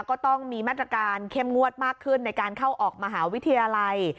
ก็ต้องมีมาตรการเข้มงวดมากขึ้นในการเข้าออกมหาวิทยาลัย